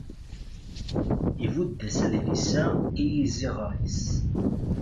ibudd-as adlis-a i yiziɣer-is.